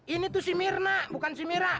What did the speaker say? ini tuh si mirna bukan si mira